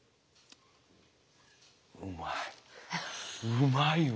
うまいわ。